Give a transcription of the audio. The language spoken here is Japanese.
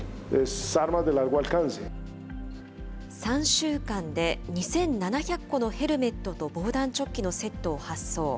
３週間で２７００個のヘルメットと防弾チョッキのセットを発送。